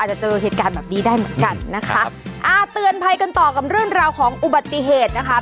จะเจอเหตุการณ์แบบนี้ได้เหมือนกันนะคะอ่าเตือนภัยกันต่อกับเรื่องราวของอุบัติเหตุนะคะ